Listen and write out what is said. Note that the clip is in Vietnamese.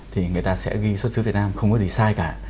thì người ta sẽ ghi xuất xứ việt nam không có gì sai cả